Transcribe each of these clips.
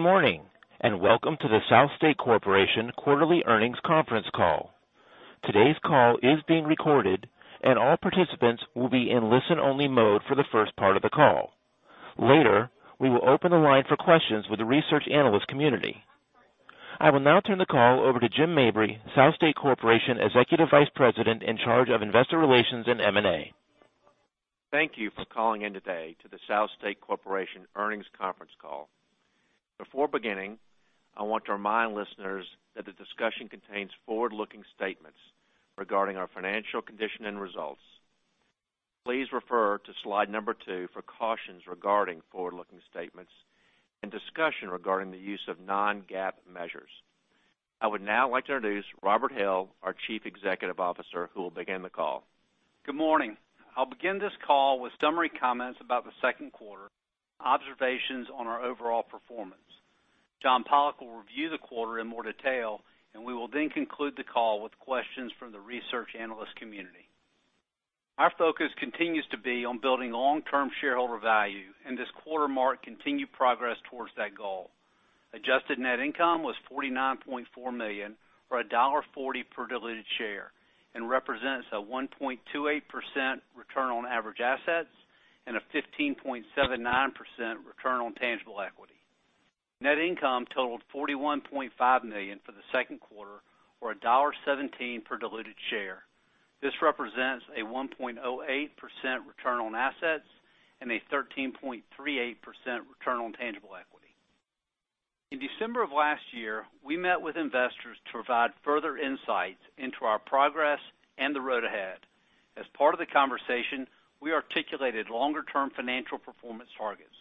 Good morning, welcome to the SouthState Corporation quarterly earnings conference call. Today's call is being recorded, and all participants will be in listen-only mode for the first part of the call. Later, we will open the line for questions with the research analyst community. I will now turn the call over to Jim Mabry, SouthState Corporation Executive Vice President in charge of investor relations and M&A. Thank you for calling in today to the SouthState Corporation earnings conference call. Before beginning, I want to remind listeners that the discussion contains forward-looking statements regarding our financial condition and results. Please refer to slide number two for cautions regarding forward-looking statements and discussion regarding the use of non-GAAP measures. I would now like to introduce Robert Hill, our Chief Executive Officer, who will begin the call. Good morning. I'll begin this call with summary comments about the second quarter, observations on our overall performance. John Pollok will review the quarter in more detail, and we will then conclude the call with questions from the research analyst community. Our focus continues to be on building long-term shareholder value, and this quarter marked continued progress towards that goal. Adjusted net income was $49.4 million, or $1.40 per diluted share, and represents a 1.28% return on average assets and a 15.79% return on tangible equity. Net income totaled $41.5 million for the second quarter, or $1.17 per diluted share. This represents a 1.08% return on assets and a 13.38% return on tangible equity. In December of last year, we met with investors to provide further insights into our progress and the road ahead. As part of the conversation, we articulated longer-term financial performance targets.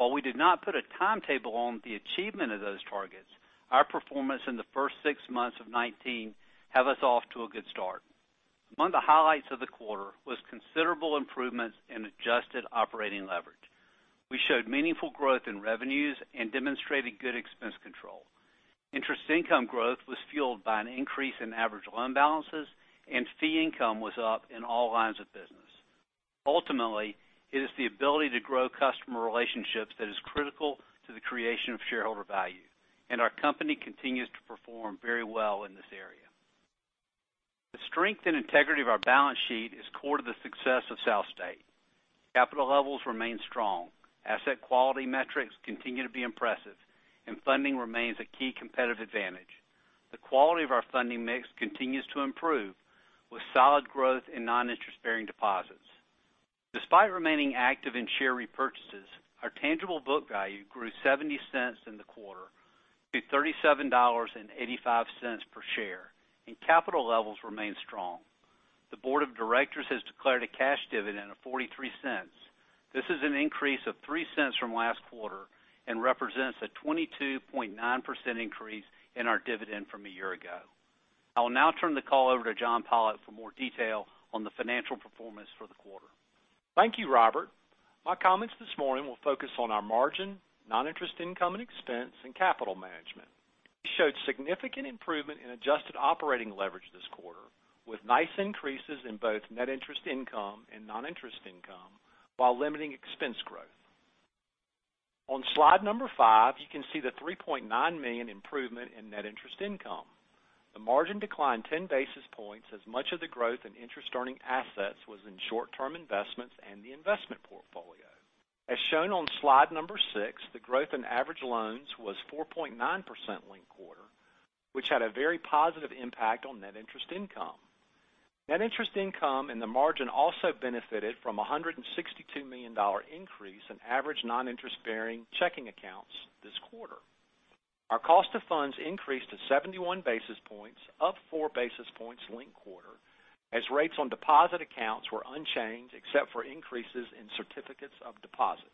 While we did not put a timetable on the achievement of those targets, our performance in the first six months of 2019 have us off to a good start. Among the highlights of the quarter was considerable improvements in adjusted operating leverage. We showed meaningful growth in revenues and demonstrated good expense control. Interest income growth was fueled by an increase in average loan balances, and fee income was up in all lines of business. Ultimately, it is the ability to grow customer relationships that is critical to the creation of shareholder value, and our company continues to perform very well in this area. The strength and integrity of our balance sheet is core to the success of SouthState. Capital levels remain strong. Asset quality metrics continue to be impressive, and funding remains a key competitive advantage. The quality of our funding mix continues to improve, with solid growth in non-interest-bearing deposits. Despite remaining active in share repurchases, our tangible book value grew $0.70 in the quarter to $37.85 per share, and capital levels remain strong. The board of directors has declared a cash dividend of $0.43. This is an increase of $0.03 from last quarter and represents a 22.9% increase in our dividend from a year ago. I will now turn the call over to John Pollok for more detail on the financial performance for the quarter. Thank you, Robert. My comments this morning will focus on our margin, non-interest income and expense, and capital management. We showed significant improvement in adjusted operating leverage this quarter with nice increases in both net interest income and non-interest income while limiting expense growth. On slide number 5, you can see the $3.9 million improvement in net interest income. The margin declined 10 basis points as much of the growth in interest-earning assets was in short-term investments and the investment portfolio. As shown on slide number 6, the growth in average loans was 4.9% linked quarter, which had a very positive impact on net interest income. Net interest income and the margin also benefited from a $162 million increase in average non-interest-bearing checking accounts this quarter. Our cost of funds increased to 71 basis points, up four basis points linked quarter, as rates on deposit accounts were unchanged except for increases in certificates of deposit.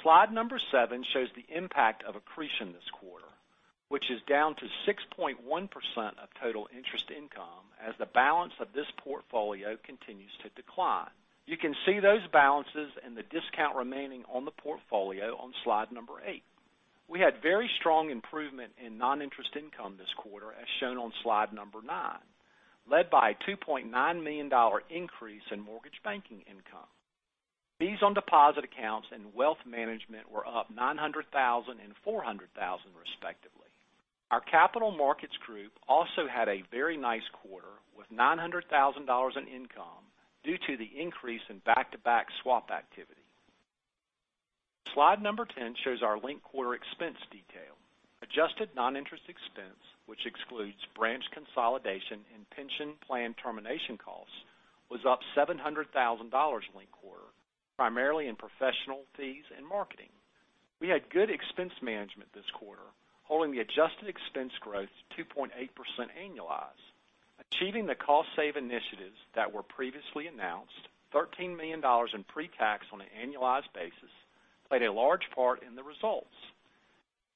Slide number seven shows the impact of accretion this quarter, which is down to 6.1% of total interest income as the balance of this portfolio continues to decline. You can see those balances and the discount remaining on the portfolio on slide number eight. We had very strong improvement in non-interest income this quarter, as shown on slide number nine, led by a $2.9 million increase in mortgage banking income. Fees on deposit accounts and wealth management were up $900,000 and $400,000 respectively. Our Capital Markets Group also had a very nice quarter with $900,000 in income due to the increase in back-to-back swap activity. Slide number 10 shows our linked quarter expense detail. Adjusted non-interest expense, which excludes branch consolidation and pension plan termination costs, was up $700,000 linked quarter, primarily in professional fees and marketing. We had good expense management this quarter, holding the adjusted expense growth to 2.8% annualized. Achieving the cost save initiatives that were previously announced, $13 million in pre-tax on an annualized basis, played a large part in the results.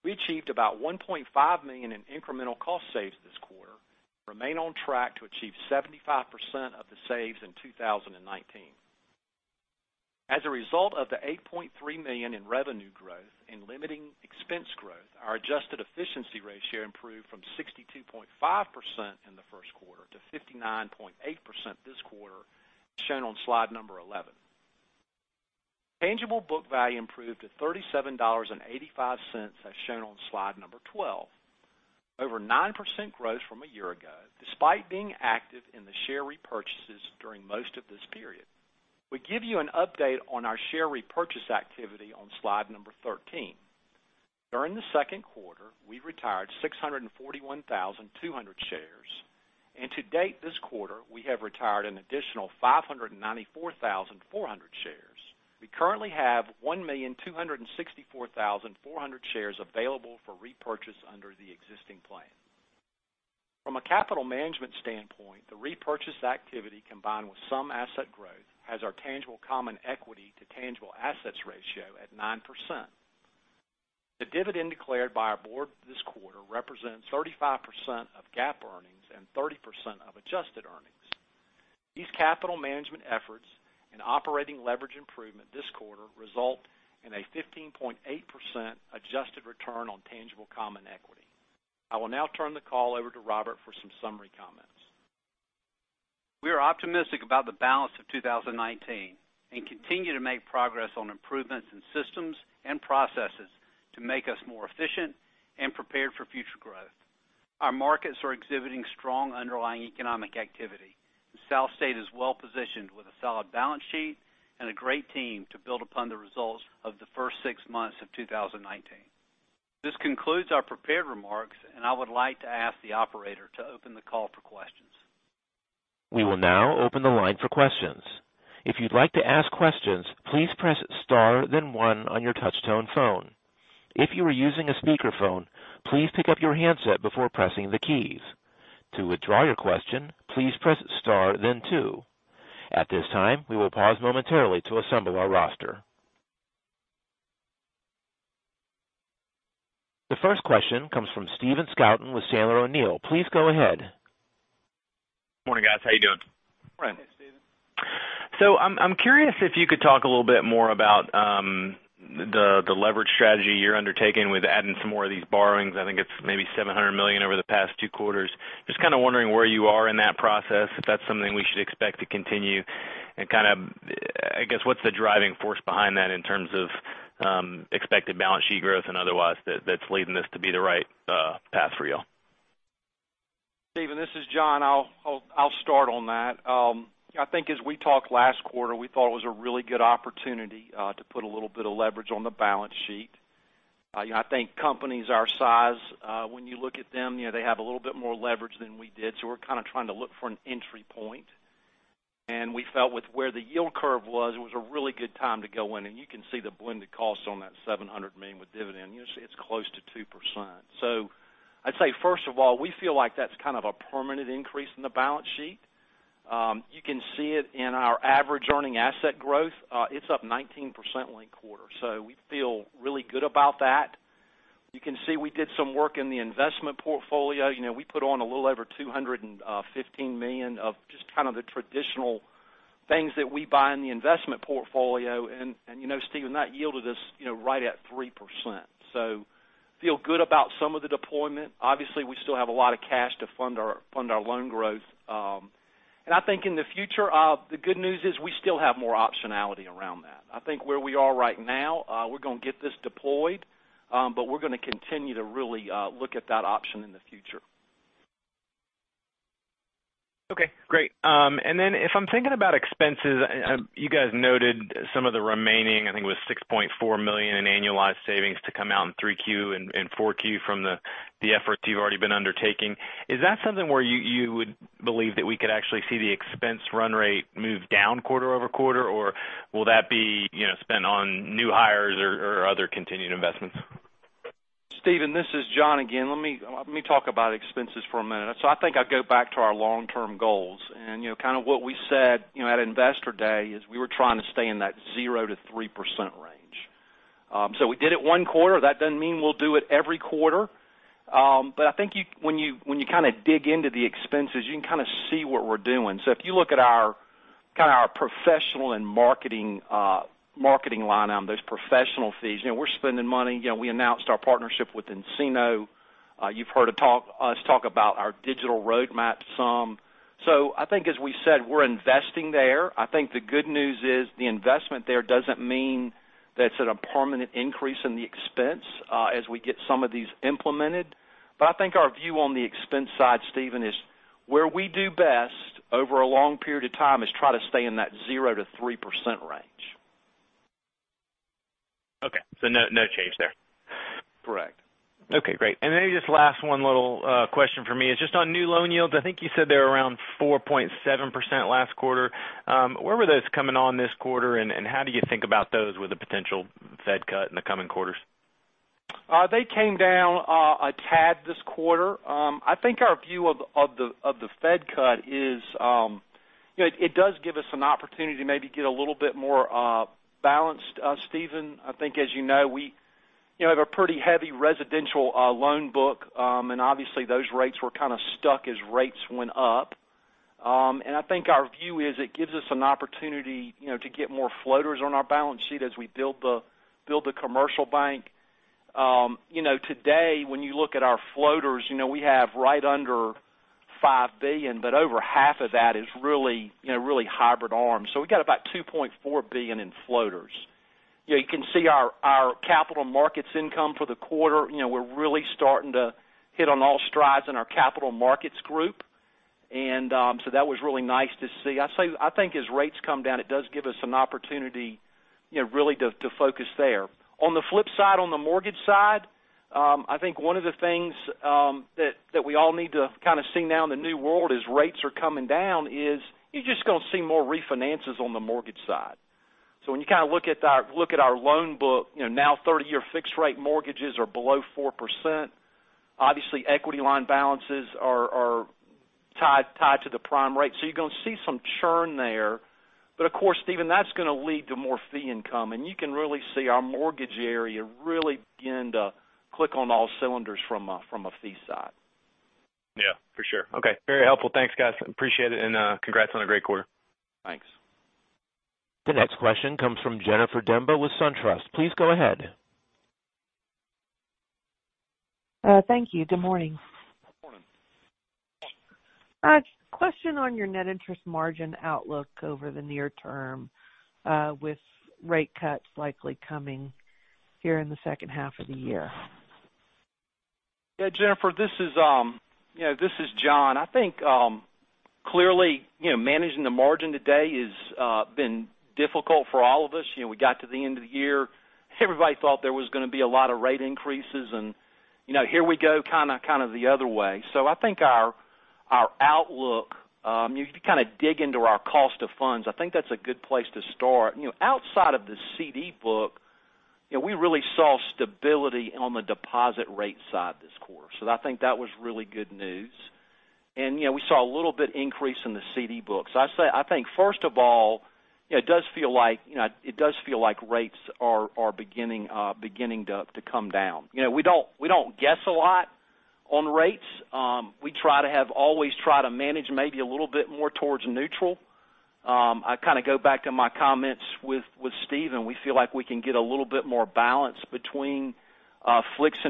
We achieved about $1.5 million in incremental cost saves this quarter and remain on track to achieve 75% of the saves in 2019. As a result of the $8.3 million in revenue growth and limiting expense growth, our adjusted efficiency ratio improved from 62.5% in the first quarter to 59.8% this quarter, as shown on slide number 11. Tangible book value improved to $37.85, as shown on slide number 12. Over 9% growth from a year ago, despite being active in the share repurchases during most of this period. We give you an update on our share repurchase activity on slide number 13. During the second quarter, we retired 641,200 shares. To date, this quarter, we have retired an additional 594,400 shares. We currently have 1,264,400 shares available for repurchase under the existing plan. From a capital management standpoint, the repurchase activity, combined with some asset growth, has our tangible common equity to tangible assets ratio at 9%. The dividend declared by our board this quarter represents 35% of GAAP earnings and 30% of adjusted earnings. These capital management efforts and operating leverage improvement this quarter result in a 15.8% adjusted return on tangible common equity. I will now turn the call over to Robert Hill for some summary comments. We are optimistic about the balance of 2019 and continue to make progress on improvements in systems and processes to make us more efficient and prepared for future growth. Our markets are exhibiting strong underlying economic activity. SouthState is well-positioned with a solid balance sheet and a great team to build upon the results of the first six months of 2019. This concludes our prepared remarks, and I would like to ask the operator to open the call for questions. We will now open the line for questions. If you'd like to ask questions, please press star then one on your touch-tone phone. If you are using a speakerphone, please pick up your handset before pressing the keys. To withdraw your question, please press star then two. At this time, we will pause momentarily to assemble our roster. The first question comes from Stephen Scouten with Sandler O'Neill. Please go ahead. Morning, guys. How you doing? Fine. Hey, Stephen. I'm curious if you could talk a little bit more about the leverage strategy you're undertaking with adding some more of these borrowings. I think it's maybe $700 million over the past two quarters. I'm just kind of wondering where you are in that process, if that's something we should expect to continue and kind of, I guess, what's the driving force behind that in terms of expected balance sheet growth and otherwise that's leading this to be the right path for you all? Stephen, this is John. I'll start on that. I think as we talked last quarter, we thought it was a really good opportunity to put a little bit of leverage on the balance sheet. I think companies our size, when you look at them, they have a little bit more leverage than we did, so we're kind of trying to look for an entry point. We felt with where the yield curve was, it was a really good time to go in. You can see the blended cost on that $700 million with dividend, you'll see it's close to 2%. I'd say, first of all, we feel like that's kind of a permanent increase in the balance sheet. You can see it in our average earning asset growth. It's up 19% linked quarter. We feel really good about that. You can see we did some work in the investment portfolio. We put on a little over $215 million of just kind of the traditional things that we buy in the investment portfolio, Stephen, that yielded us right at 3%. Feel good about some of the deployment. Obviously, we still have a lot of cash to fund our loan growth. I think in the future, the good news is we still have more optionality around that. I think where we are right now, we're going to get this deployed, but we're going to continue to really look at that option in the future. Okay, great. Then if I'm thinking about expenses, you guys noted some of the remaining, I think it was $6.4 million in annualized savings to come out in 3Q and 4Q from the efforts you've already been undertaking. Is that something where you would believe that we could actually see the expense run rate move down quarter-over-quarter, or will that be spent on new hires or other continued investments? Stephen, this is John again. Let me talk about expenses for a minute. I think I'd go back to our long-term goals. Kind of what we said at Investor Day is we were trying to stay in that 0-3% range. We did it one quarter. That doesn't mean we'll do it every quarter. I think when you kind of dig into the expenses, you can kind of see what we're doing. If you look at kind of our professional and marketing line item, those professional fees, we're spending money. We announced our partnership with nCino. You've heard us talk about our digital roadmap some. I think as we said, we're investing there. I think the good news is the investment there doesn't mean that it's a permanent increase in the expense as we get some of these implemented. I think our view on the expense side, Stephen, is where we do best over a long period of time is try to stay in that 0%-3% range. Okay. No change there. Correct. Okay, great. Just last one little question for me is just on new loan yields. I think you said they were around 4.7% last quarter. Where were those coming on this quarter, and how do you think about those with a potential Fed cut in the coming quarters? They came down a tad this quarter. I think our view of the Fed cut is it does give us an opportunity to maybe get a little bit more balanced, Stephen. I think as you know, we have a pretty heavy residential loan book, and obviously, those rates were kind of stuck as rates went up. I think our view is it gives us an opportunity to get more floaters on our balance sheet as we build the commercial bank. Today, when you look at our floaters, we have right under $5 billion, but over half of that is really hybrid ARM. We've got about $2.4 billion in floaters. You can see our capital markets income for the quarter. We're really starting to hit on all strides in our Capital Markets Group. That was really nice to see. I think as rates come down, it does give us an opportunity really to focus there. On the flip side, on the mortgage side, I think one of the things that we all need to kind of see now in the new world as rates are coming down is, you're just going to see more refinances on the mortgage side. When you look at our loan book, now 30-year fixed rate mortgages are below 4%. Obviously, equity line balances are tied to the prime rate. You're going to see some churn there. Of course, Stephen, that's going to lead to more fee income. You can really see our mortgage area really begin to click on all cylinders from a fee side. Yeah, for sure. Okay. Very helpful. Thanks, guys. Appreciate it, and congrats on a great quarter. Thanks. The next question comes from Jennifer Demba with SunTrust. Please go ahead. Thank you. Good morning. Good morning. A question on your net interest margin outlook over the near term, with rate cuts likely coming here in the second half of the year. Yeah, Jennifer, this is John. I think, clearly, managing the margin today has been difficult for all of us. We got to the end of the year, everybody thought there was going to be a lot of rate increases, and here we go kind of the other way. I think our outlook, if you dig into our cost of funds, I think that's a good place to start. Outside of the CD book, we really saw stability on the deposit rate side this quarter. I think that was really good news. We saw a little bit increase in the CD book. I think first of all, it does feel like rates are beginning to come down. We don't guess a lot on rates. We always try to manage maybe a little bit more towards neutral. I kind of go back to my comments with Stephen. We feel like we can get a little bit more balance between fixed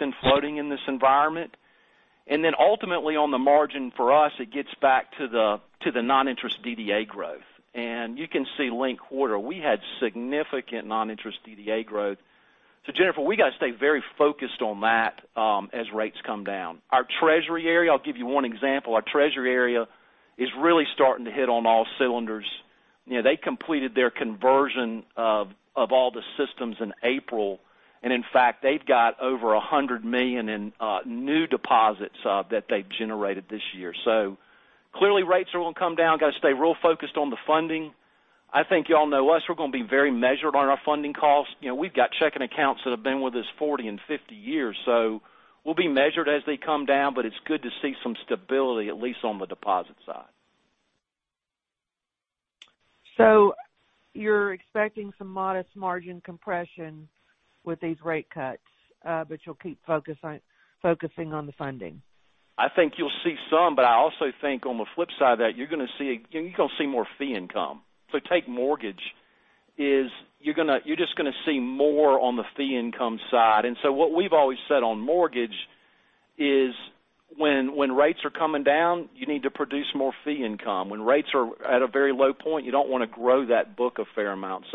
and floating in this environment. Ultimately on the margin for us, it gets back to the non-interest DDA growth. You can see linked quarter, we had significant non-interest DDA growth. Jennifer, we got to stay very focused on that as rates come down. Our treasury area, I'll give you one example. Our treasury area is really starting to hit on all cylinders. They completed their conversion of all the systems in April, and in fact, they've got over $100 million in new deposits that they've generated this year. Clearly rates are going to come down. Got to stay real focused on the funding. I think y'all know us, we're going to be very measured on our funding costs. We've got checking accounts that have been with us 40 and 50 years. We'll be measured as they come down, but it's good to see some stability, at least on the deposit side. You're expecting some modest margin compression with these rate cuts, but you'll keep focusing on the funding. I think you'll see some, but I also think on the flip side of that, you're going to see more fee income. Take mortgage, you're just going to see more on the fee income side. What we've always said on mortgage is when rates are coming down, you need to produce more fee income. When rates are at a very low point, you don't want to grow that book a fair amount.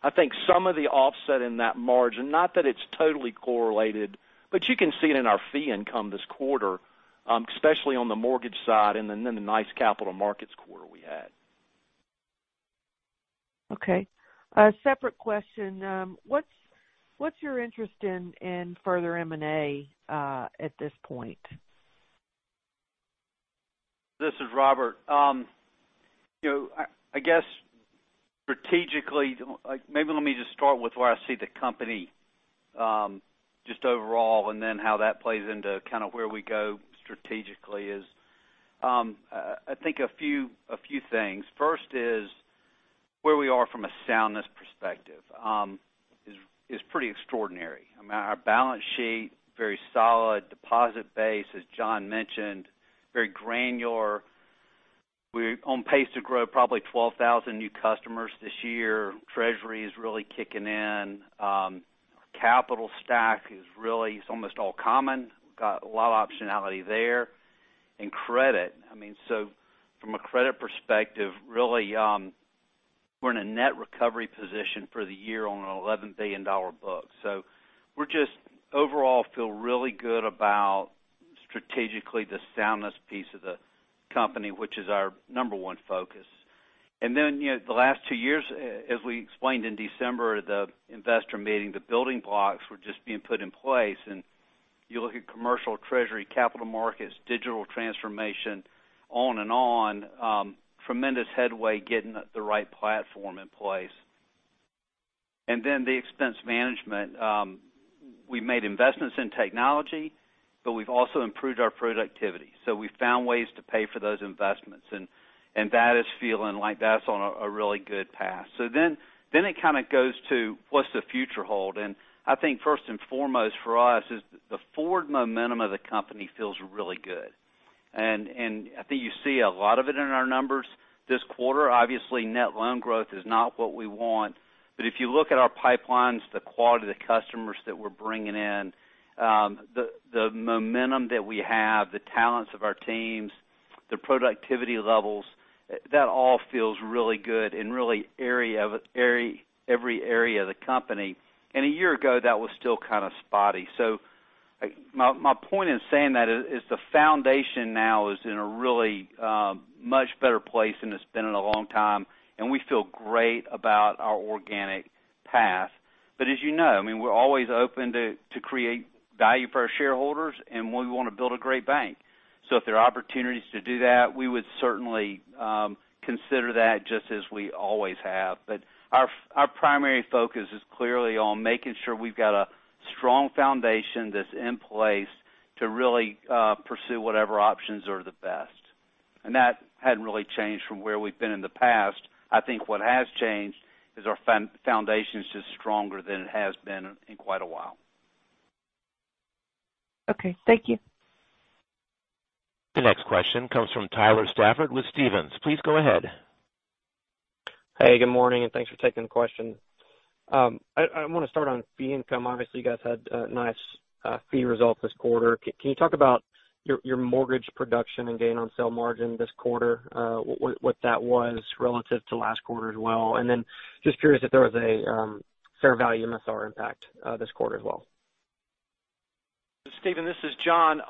I think some of the offset in that margin, not that it's totally correlated, but you can see it in our fee income this quarter, especially on the mortgage side and then the nice capital markets quarter we had. Okay. A separate question. What's your interest in further M&A at this point? This is Robert. I guess strategically, maybe let me just start with where I see the company, just overall, and then how that plays into kind of where we go strategically is. I think a few things. First is where we are from a soundness perspective. It's pretty extraordinary. I mean, our balance sheet, very solid deposit base, as John mentioned, very granular. We're on pace to grow probably 12,000 new customers this year. Treasury is really kicking in. Capital stack is really, it's almost all common. Got a lot of optionality there. From a credit perspective, really, we're in a net recovery position for the year on an $11 billion book. We just overall feel really good about strategically the soundness piece of the company, which is our number one focus. Then, the last two years, as we explained in December, the investor meeting, the building blocks were just being put in place. You look at commercial treasury, capital markets, digital transformation, on and on, tremendous headway getting the right platform in place. Then the expense management. We made investments in technology, but we've also improved our productivity. We found ways to pay for those investments, and that is feeling like that's on a really good path. It kind of goes to what's the future hold? I think first and foremost for us is the forward momentum of the company feels really good. I think you see a lot of it in our numbers this quarter. Obviously, net loan growth is not what we want. If you look at our pipelines, the quality of the customers that we're bringing in, the momentum that we have, the talents of our teams. The productivity levels, that all feels really good in really every area of the company. A year ago, that was still kind of spotty. My point in saying that is the foundation now is in a really much better place than it's been in a long time, and we feel great about our organic path. As you know, we're always open to create value for our shareholders, and we want to build a great bank. If there are opportunities to do that, we would certainly consider that just as we always have. Our primary focus is clearly on making sure we've got a strong foundation that's in place to really pursue whatever options are the best. That hadn't really changed from where we've been in the past. I think what has changed is our foundation is just stronger than it has been in quite a while. Okay. Thank you. The next question comes from Tyler Stafford with Stephens. Please go ahead. Hey, good morning, thanks for taking the question. I want to start on fee income. Obviously, you guys had a nice fee result this quarter. Can you talk about your mortgage production and gain on sale margin this quarter, what that was relative to last quarter as well? Just curious if there was a fair value MSR impact this quarter as well. Stephen, this is John.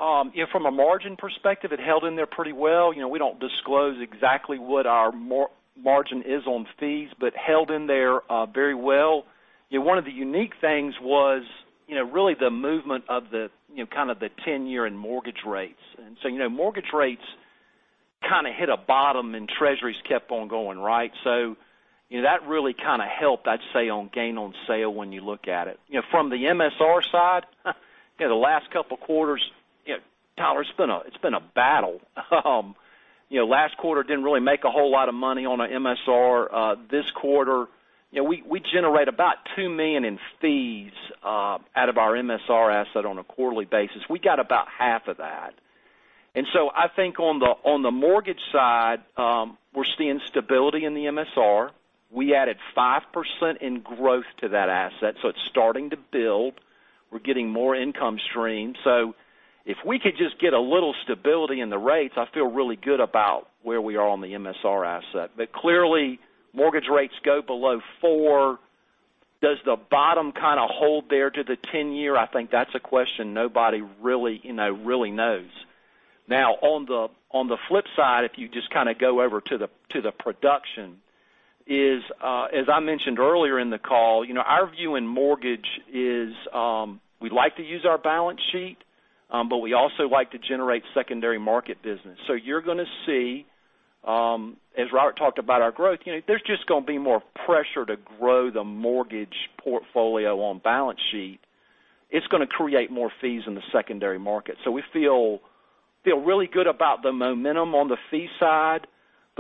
From a margin perspective, it held in there pretty well. We don't disclose exactly what our margin is on fees, but held in there very well. One of the unique things was really the movement of the kind of the 10-year in mortgage rates. Mortgage rates kind of hit a bottom and treasuries kept on going right. That really kind of helped, I'd say, on gain on sale when you look at it. From the MSR side, the last couple of quarters, Tyler, it's been a battle. Last quarter didn't really make a whole lot of money on a MSR. This quarter, we generate about $2 million in fees out of our MSR asset on a quarterly basis. We got about half of that. I think on the mortgage side, we're seeing stability in the MSR. We added 5% in growth to that asset. It's starting to build. We're getting more income stream. If we could just get a little stability in the rates, I feel really good about where we are on the MSR asset. Clearly, mortgage rates go below 4, does the bottom kind of hold there to the 10-year? I think that's a question nobody really knows. Now, on the flip side, if you just kind of go over to the production, as I mentioned earlier in the call, our view in mortgage is we like to use our balance sheet, but we also like to generate secondary market business. You're going to see, as Robert talked about our growth, there's just going to be more pressure to grow the mortgage portfolio on balance sheet. It's going to create more fees in the secondary market. We feel really good about the momentum on the fee side.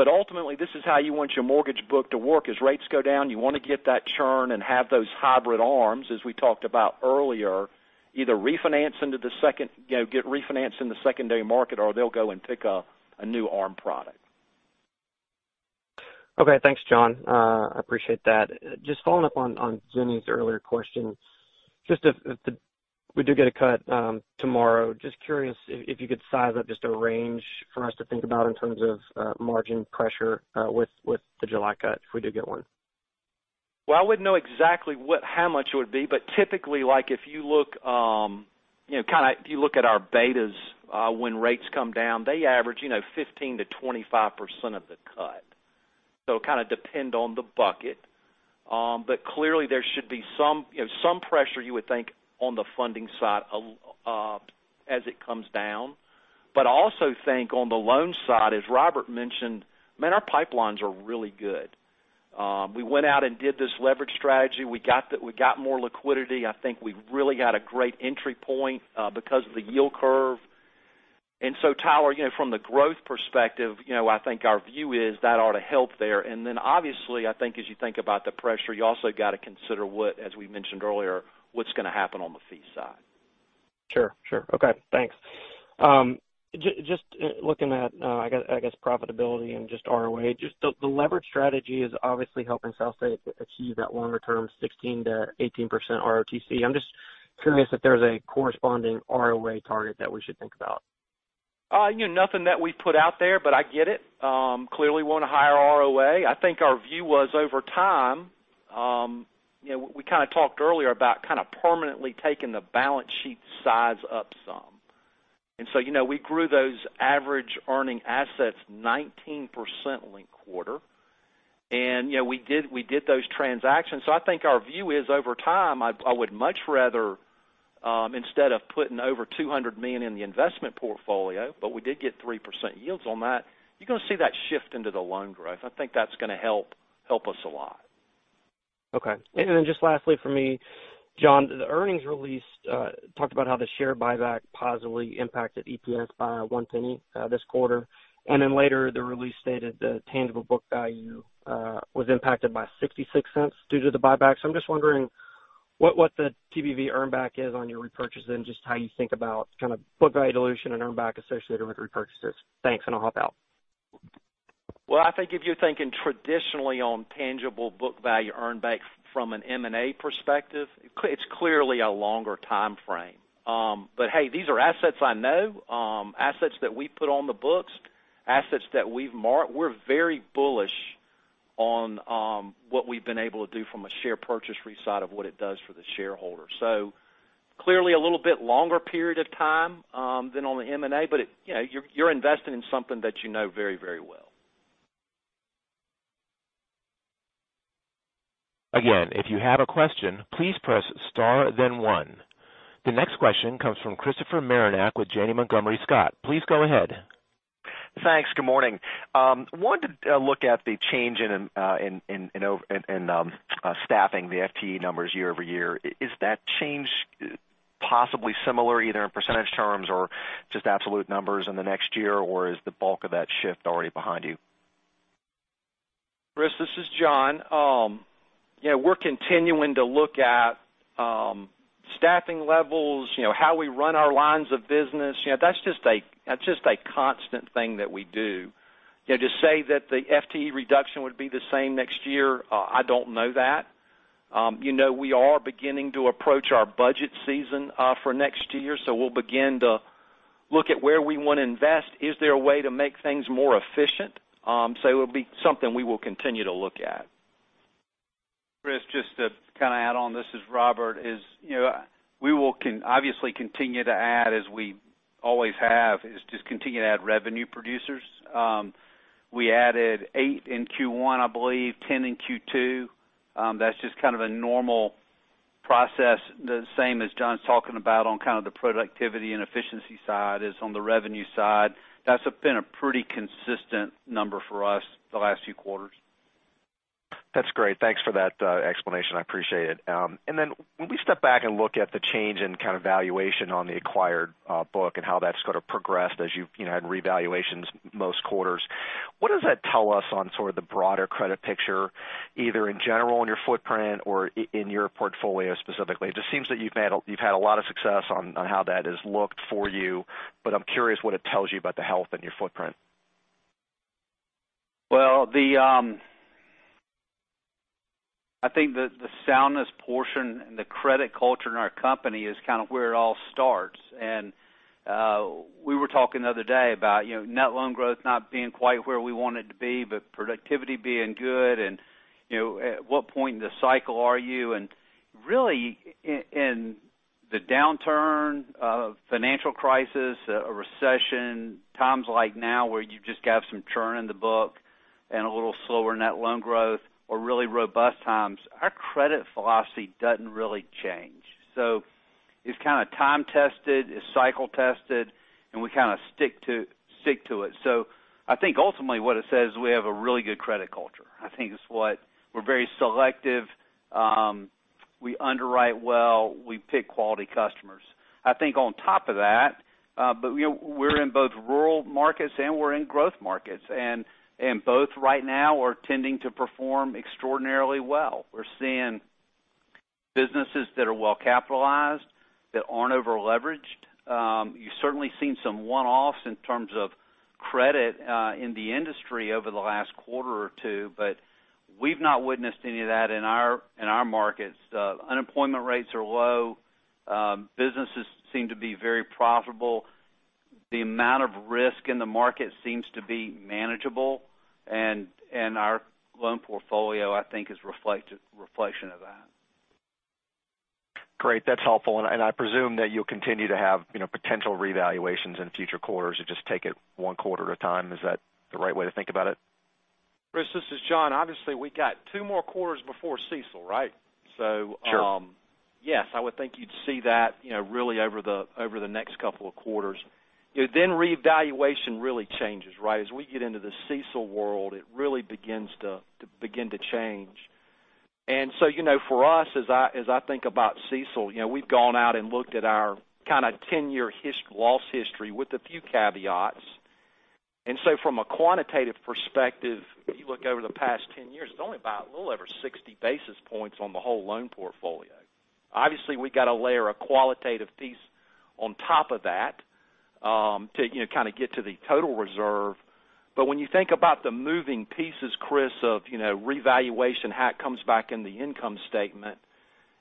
Ultimately, this is how you want your mortgage book to work. As rates go down, you want to get that churn and have those hybrid ARMs, as we talked about earlier, either get refinanced in the secondary market, or they'll go and pick a new ARM product. Okay, thanks, John. I appreciate that. Just following up on Jenny's earlier question. If we do get a cut tomorrow, just curious if you could size up just a range for us to think about in terms of margin pressure with the July cut, if we did get one? I wouldn't know exactly how much it would be, but typically, if you look at our betas when rates come down, they average 15%-25% of the cut. It kind of depend on the bucket. Clearly, there should be some pressure, you would think, on the funding side as it comes down. I also think on the loan side, as Robert mentioned, man, our pipelines are really good. We went out and did this leverage strategy. We got more liquidity. I think we really got a great entry point because of the yield curve. Tyler, from the growth perspective, I think our view is that ought to help there. Obviously, I think as you think about the pressure, you also got to consider what, as we mentioned earlier, what's going to happen on the fee side. Sure. Okay, thanks. Just looking at, I guess, profitability and just ROA. Just the leverage strategy is obviously helping SouthState achieve that longer-term 16%-18% ROTCE. I'm just curious if there's a corresponding ROA target that we should think about. Nothing that we've put out there, but I get it. Clearly want a higher ROA. I think our view was over time. We kind of talked earlier about kind of permanently taking the balance sheet size up some. We grew those average earning assets 19% linked quarter. We did those transactions. I think our view is over time, I would much rather, instead of putting over $200 million in the investment portfolio, but we did get 3% yields on that, you're going to see that shift into the loan growth. I think that's going to help us a lot. Okay. Just lastly for me, John, the earnings release talked about how the share buyback positively impacted EPS by $0.01 this quarter. Later, the release stated the tangible book value was impacted by $0.66 due to the buyback. I'm just wondering what the TBV earn back is on your repurchase and just how you think about kind of book value dilution and earn back associated with repurchases. Thanks, and I'll hop out. Well, I think if you're thinking traditionally on tangible book value earned back from an M&A perspective, it's clearly a longer timeframe. Hey, these are assets I know, assets that we put on the books, assets that we've marked. We're very bullish on what we've been able to do from a share purchase resale of what it does for the shareholder. Clearly, a little bit longer period of time, than on the M&A, but you're investing in something that you know very well. Again, if you have a question, please press star then one. The next question comes from Christopher Marinac with Janney Montgomery Scott. Please go ahead. Thanks. Good morning. Wanted to look at the change in staffing, the FTE numbers year-over-year. Is that change possibly similar either in percentage terms or just absolute numbers in the next year? Is the bulk of that shift already behind you? Chris, this is John. We're continuing to look at staffing levels, how we run our lines of business. That's just a constant thing that we do. To say that the FTE reduction would be the same next year, I don't know that. We are beginning to approach our budget season, for next year, so we'll begin to look at where we want to invest. Is there a way to make things more efficient? It'll be something we will continue to look at. Chris, just to kind of add on. This is Robert. We will obviously continue to add as we always have, is just continue to add revenue producers. We added eight in Q1, I believe, 10 in Q2. That's just kind of a normal process, the same as John's talking about on kind of the productivity and efficiency side is on the revenue side. That's been a pretty consistent number for us the last few quarters. That's great. Thanks for that explanation, I appreciate it. When we step back and look at the change in kind of valuation on the acquired book and how that's sort of progressed as you've had revaluations most quarters, what does that tell us on sort of the broader credit picture, either in general in your footprint or in your portfolio specifically? It just seems that you've had a lot of success on how that has looked for you, I'm curious what it tells you about the health in your footprint. Well, I think the soundness portion and the credit culture in our company is kind of where it all starts. We were talking the other day about net loan growth not being quite where we want it to be, but productivity being good, and at what point in the cycle are you. Really, in the downturn of financial crisis, a recession, times like now where you've just got some churn in the book and a little slower net loan growth or really robust times, our credit philosophy doesn't really change. It's kind of time-tested, it's cycle-tested, and we kind of stick to it. I think ultimately what it says, we have a really good credit culture. We're very selective. We underwrite well. We pick quality customers. I think on top of that, but we're in both rural markets and we're in growth markets. Both right now are tending to perform extraordinarily well. We're seeing businesses that are well-capitalized, that aren't over-leveraged. You've certainly seen some one-offs in terms of credit, in the industry over the last quarter or two, but we've not witnessed any of that in our markets. Unemployment rates are low. Businesses seem to be very profitable. The amount of risk in the market seems to be manageable, and our loan portfolio, I think, is a reflection of that. Great. That's helpful. I presume that you'll continue to have potential revaluations in future quarters. You just take it one quarter at a time. Is that the right way to think about it? Chris, this is John. Obviously, we got two more quarters before CECL, right? Sure. Yes, I would think you'd see that really over the next couple of quarters. Revaluation really changes, right? As we get into the CECL world, it really begins to change. For us, as I think about CECL, we've gone out and looked at our kind of 10-year loss history with a few caveats. From a quantitative perspective, if you look over the past 10 years, it's only about a little over 60 basis points on the whole loan portfolio. Obviously, we got to layer a qualitative piece on top of that, to kind of get to the total reserve. When you think about the moving pieces, Chris, of revaluation, how it comes back in the income statement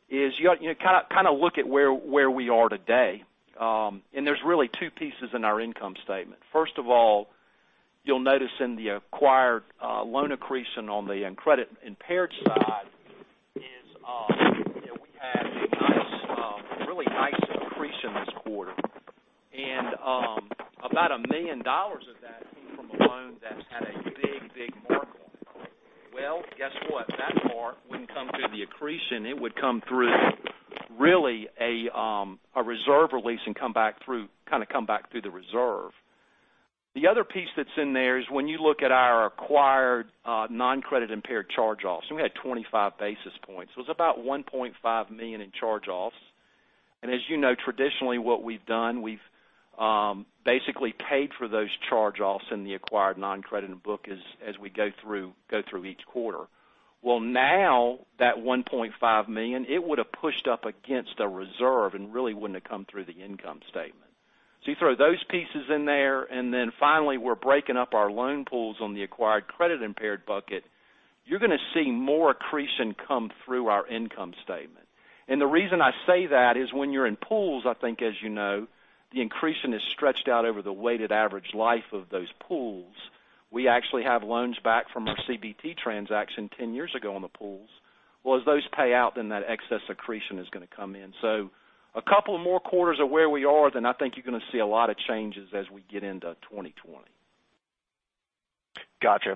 is you kind of look at where we are today. There's really two pieces in our income statement. First of all, you'll notice in the acquired loan accretion on the credit-impaired side is we had a really nice accretion this quarter. About $1 million of that came from a loan that had a big mark on it. Guess what? That mark wouldn't come through the accretion. It would come through really a reserve release and kind of come back through the reserve. The other piece that's in there is when you look at our acquired non-credit impaired charge-offs, and we had 25 basis points. It was about $1.5 million in charge-offs. As you know, traditionally what we've done, we've basically paid for those charge-offs in the acquired non-credit book as we go through each quarter. Now that $1.5 million, it would have pushed up against a reserve and really wouldn't have come through the income statement. You throw those pieces in there, finally, we're breaking up our loan pools on the acquired credit-impaired bucket. You're going to see more accretion come through our income statement. The reason I say that is when you're in pools, I think, as you know, the accretion is stretched out over the weighted average life of those pools. We actually have loans back from our CBT transaction 10 years ago on the pools. Well, as those pay out, then that excess accretion is going to come in. A couple more quarters of where we are, I think you're going to see a lot of changes as we get into 2020. Got you.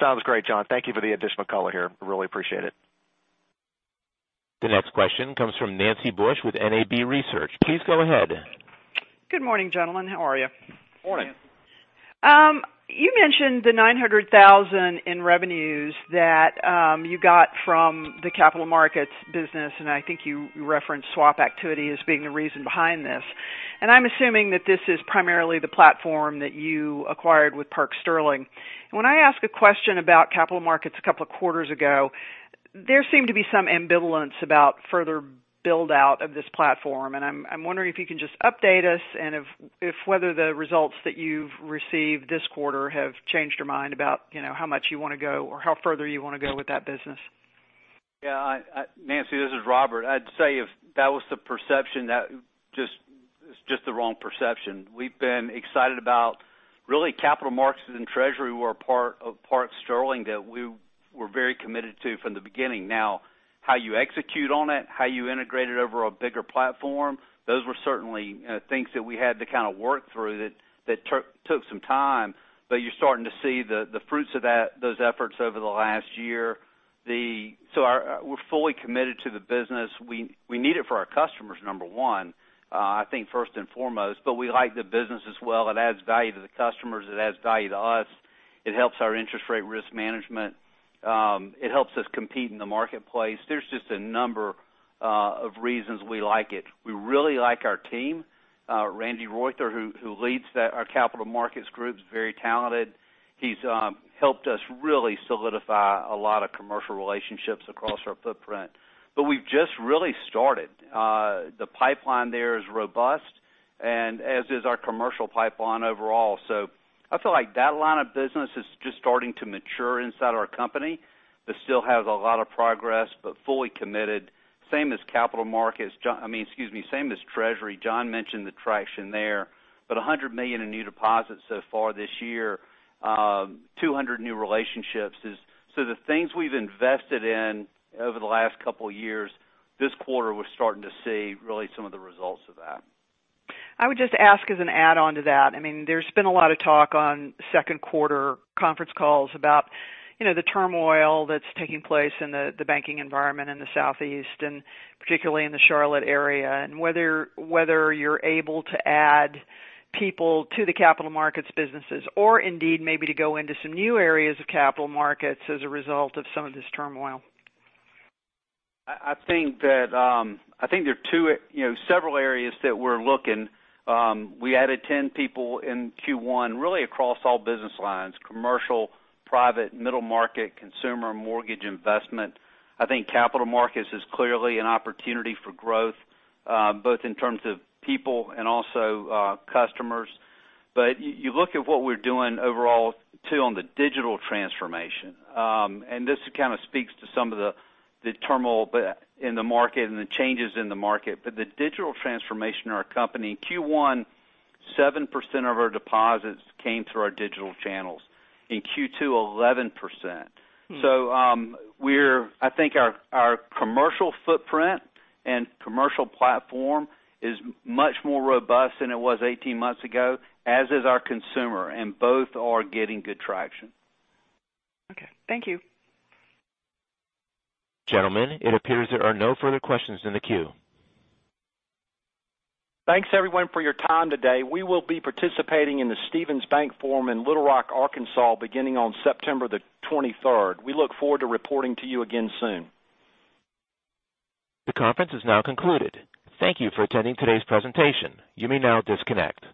Sounds great, John. Thank you for the additional color here. Really appreciate it. The next question comes from Nancy Bush with NAB Research. Please go ahead. Good morning, gentlemen. How are you? Morning. You mentioned the $900,000 in revenues that you got from the capital markets business, and I think you referenced swap activity as being the reason behind this. I'm assuming that this is primarily the platform that you acquired with Park Sterling. When I asked a question about capital markets a couple of quarters ago, there seemed to be some ambivalence about further build-out of this platform, and I'm wondering if you can just update us and if whether the results that you've received this quarter have changed your mind about how much you want to go or how further you want to go with that business. Yeah, Nancy, this is Robert. I'd say if that was the perception, that is just the wrong perception. We've been excited about really capital markets and treasury were a part of Park Sterling that we were very committed to from the beginning. How you execute on it, how you integrate it over a bigger platform, those were certainly things that we had to kind of work through that took some time. But you're starting to see the fruits of those efforts over the last year. We're fully committed to the business. We need it for our customers, number one, I think first and foremost, but we like the business as well. It adds value to the customers. It adds value to us. It helps our interest rate risk management. It helps us compete in the marketplace. There's just a number of reasons we like it. We really like our team. Randy Royther, who leads our capital markets group, is very talented. He's helped us really solidify a lot of commercial relationships across our footprint. We've just really started. The pipeline there is robust and as is our commercial pipeline overall. I feel like that line of business is just starting to mature inside our company, but still has a lot of progress, but fully committed. Same as treasury. John mentioned the traction there. $100 million in new deposits so far this year, 200 new relationships. The things we've invested in over the last couple of years, this quarter, we're starting to see really some of the results of that. I would just ask as an add-on to that, there's been a lot of talk on second quarter conference calls about the turmoil that's taking place in the banking environment in the Southeast, and particularly in the Charlotte area, and whether you're able to add people to the capital markets businesses, or indeed, maybe to go into some new areas of capital markets as a result of some of this turmoil. I think there are several areas that we're looking. We added 10 people in Q1, really across all business lines, commercial, private, middle market, consumer mortgage investment. I think capital markets is clearly an opportunity for growth, both in terms of people and also customers. You look at what we're doing overall, too, on the digital transformation. This kind of speaks to some of the turmoil in the market and the changes in the market. The digital transformation in our company, in Q1, 7% of our deposits came through our digital channels. In Q2, 11%. I think our commercial footprint and commercial platform is much more robust than it was 18 months ago, as is our consumer, and both are getting good traction. Okay. Thank you. Gentlemen, it appears there are no further questions in the queue. Thanks, everyone, for your time today. We will be participating in the Stephens Bank Forum in Little Rock, Arkansas, beginning on September the 23rd. We look forward to reporting to you again soon. The conference is now concluded. Thank you for attending today's presentation. You may now disconnect.